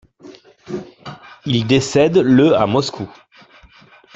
Il décède le à Moscou.